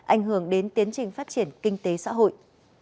ảnh hưởng đến tiến trình phát triển kinh tế xã hội